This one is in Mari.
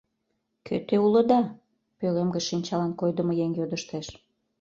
Кӧ те улыда? — пӧлем гыч шинчалан койдымо еҥ йодыштеш.